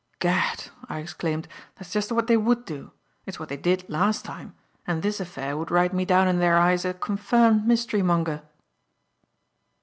"Gad!" I exclaimed. "That's just what they would do. It's what they did last time, and this affair would write me down in their eyes a confirmed mystery monger."